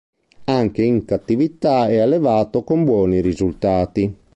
Anche in cattività è allevato con buoni risultati.